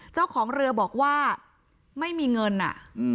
เจ้าของเรือบอกว่าไม่มีเงินอ่ะ